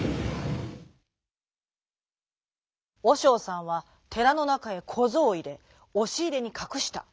おしょうさんはてらのなかへこぞうをいれおしいれにかくした。